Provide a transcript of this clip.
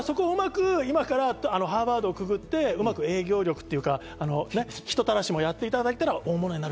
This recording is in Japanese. ハーバードをくぐって、うまく営業力というか、人たらしもやっていただけたら大物になる。